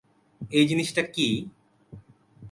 এই জিনিসটা কি?